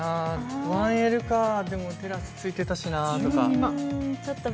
１Ｌか、でもテラスついてたしなあって。